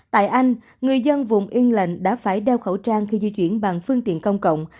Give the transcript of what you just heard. tại anh người dân vùng yên lệnh đã phải đeo khẩu trang khi di chuyển bằng phương tiện công cộng